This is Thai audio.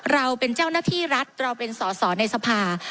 เราเป็นเจ้าหน้าที่รัฐเราเป็นสอสอในสภา